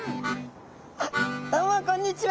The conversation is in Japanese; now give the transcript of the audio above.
あっどうもこんにちは！